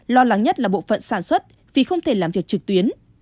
lo lắng nhất là bộ phận sản xuất vì không thể làm việc trực tuyến